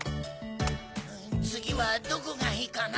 次はどこがいいかな？